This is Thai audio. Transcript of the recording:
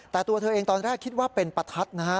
แต่ตัวเธอเองตอนแรกคิดว่าเป็นประทัดนะฮะ